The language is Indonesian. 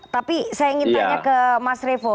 tapi saya ingin tanya ke mas revo